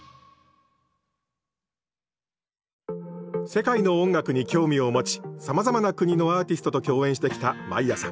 世界の音楽に興味を持ちさまざまな国のアーティストと共演してきたマイアさん。